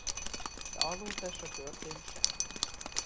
De azóta se történt semmi.